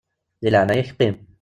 Di leɛnaya-k qqim!